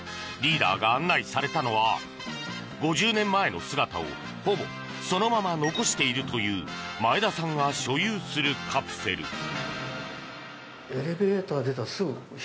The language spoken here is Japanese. リーダーが案内されたのは５０年前の姿をほぼそのまま残しているという前田さんが所有するカプセル。